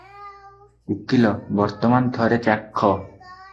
ଉକୀଲ - ବର୍ତ୍ତମାନ ଥରେ ଚାଖ ।